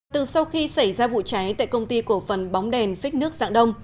từ sau khi xảy ra vụ cháy tại công ty cổ phần bóng đèn phích nước dạng đông